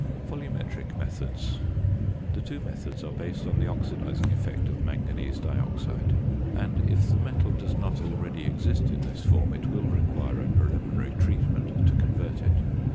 VOLUMETRIC METHODS. The two methods are based on the oxidising effect of manganese dioxide; and if the metal does not already exist in this form it will require a preliminary treatment to convert it.